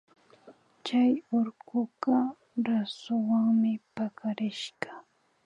Chay urkuka rasuwanmi pakarishka